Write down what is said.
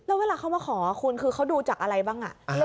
แล้วเวลาเขามาขอคุณคือเขาดูจากอะไรบ้าง